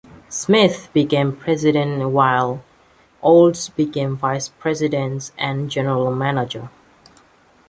Smith became President while Olds became vice president and general manager.